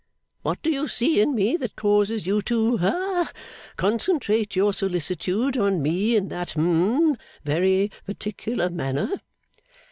What do you see in me that causes you to ha concentrate your solicitude on me in that hum very particular manner?